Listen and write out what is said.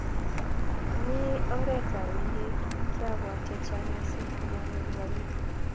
Ami oret awendi kiabwat che chang mising amanyoru walutik